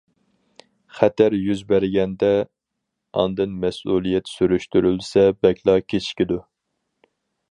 خەتەر يۈز بەرگەندە، ئاندىن مەسئۇلىيەت سۈرۈشتۈرۈلسە، بەكلا كېچىكىدۇ.